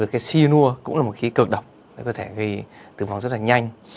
cái cyanur cũng là một khí cực độc có thể tử vong rất là nhanh